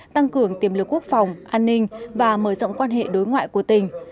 tăng cường tiềm lực quốc phòng an ninh và mở rộng quan hệ đối ngoại của tỉnh